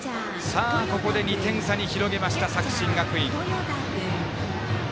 ここで２点差に広げました作新学院。